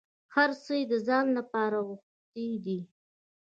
هر څه یې د ځان لپاره غوښتي دي.